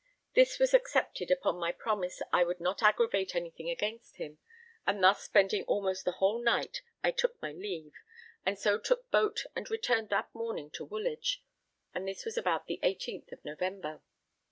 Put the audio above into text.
This was accepted upon my promise I would not aggravate anything against him, and thus spending almost the whole night I took my leave, and so took boat and returned that morning to Woolwich; and this was about the 18th of November.